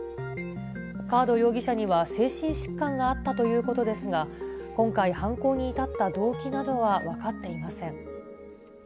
カード容疑者には精神疾患があったということですが、今回、犯行に至った動機などは分かっていません。